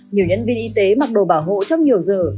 nhiều nhân viên y tế mặc đồ bảo hộ trong nhiều giờ